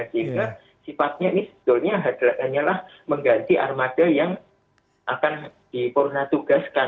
jadi sifatnya ini sebetulnya hanya mengganti armada yang akan dipurnatugaskan